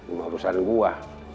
ini urusan gue